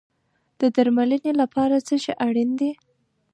د درملنې لپاره څه شی اړین دی؟